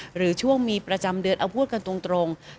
หรือช่วงมีประจำเดือนเอาพูดกันตรง